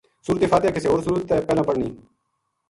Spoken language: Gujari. سورت فاتحہ کسے ہور سورت تے پہلاں پڑھنی